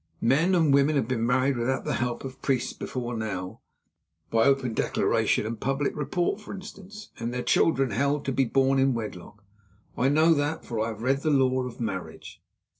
"Men and women have been married without the help of priests before now, by open declaration and public report, for instance, and their children held to be born in wedlock. I know that, for I have read of the law of marriage."